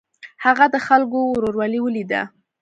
هغه د خلکو ورورولي ولیده.